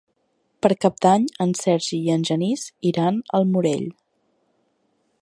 Per Cap d'Any en Sergi i en Genís iran al Morell.